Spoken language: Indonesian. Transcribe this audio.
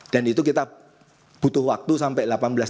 dan itu kita butuh waktu sampai delapan belas tiga puluh